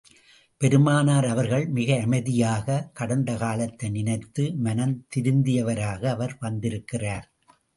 பெருமானார் அவர்கள், மிக அமைதியாக, கடந்த காலத்தை நினைத்து மனந் திருந்தியவாரக அவர் வந்திருக்கிறார்.